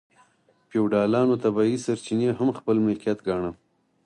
فیوډالانو طبیعي سرچینې هم خپل ملکیت ګاڼه.